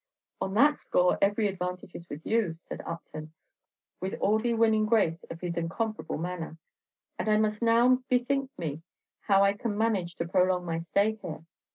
"On that score every advantage is with you," said Upton, with all the winning grace of his incomparable manner; "and I must now bethink me how I can manage to prolong my stay here."